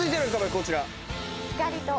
こちら。